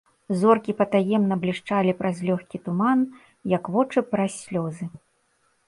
Зоркі патаемна блішчалі праз лёгкі туман, як вочы праз слёзы.